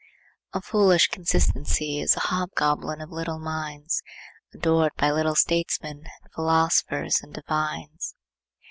A foolish consistency is the hobgoblin of little minds, adored by little statesmen and philosophers and divines.